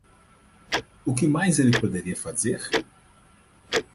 O que mais ele poderia fazer?